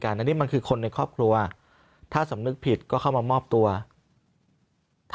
อันนี้มันคือคนในครอบครัวถ้าสำนึกผิดก็เข้ามามอบตัวถ้า